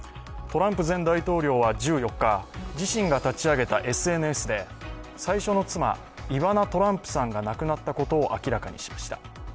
トランプ前大統領は１４日、自身が立ち上げたＳＮＳで最初の妻、イヴァナ・トランプさんが亡くなったことを明らかにしました。